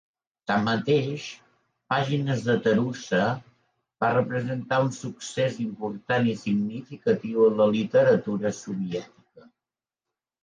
Tanmateix, "Pàgines de Tarusa" va representar un succés important i significatiu en la literatura soviètica.